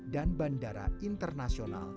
dan bandara internasional